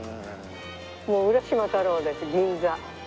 もう浦島太郎です銀座。